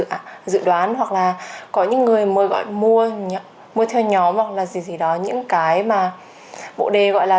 là dự đoán hoặc là có những người mới gọi mua mua theo nhóm hoặc là gì đó những cái mà bộ đê gọi là